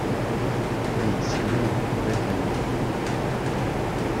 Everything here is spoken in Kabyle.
Yettsellim-d fell-ak gma.